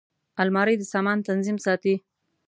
الماري د سامان تنظیم ساتي